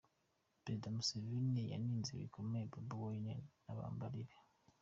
Perezida Museveni yanenze bikomeye Bobi Wine n'abambari be.